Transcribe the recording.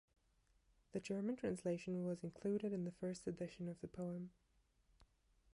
The German translation was included in the first edition of the poem.